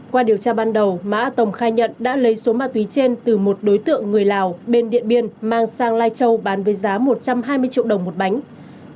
qua điều tra ban đầu mã tồng khai nhận đã lấy số ma túy trên từ một đối tượng người lào bên điện biên mang sang lai châu bán với giá một trăm hai mươi triệu đồng một bánh